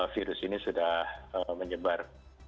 virus ini sudah menyebar